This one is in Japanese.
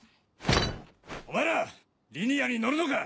お前らリニアに乗るのか